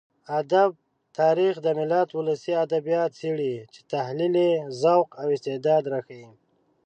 ادب تاريخ د ملت ولسي ادبيات څېړي چې تحليل يې ذوق او استعداد راښيي.